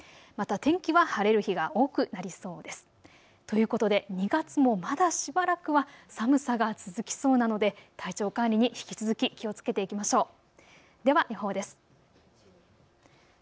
また天気は晴れる日が多くなりそうです。ということで２月もまだしばらくは寒さが続きそうなので体調管理に引き続き気をつけていきましょう。